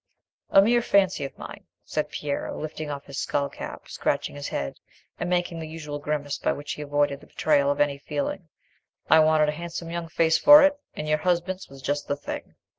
"A mere fancy of mine," said Piero, lifting off his skull cap, scratching his head, and making the usual grimace by which he avoided the betrayal of any feeling. "I wanted a handsome young face for it, and your husband's was just the thing."